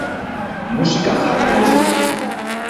Musika jarri nahi dut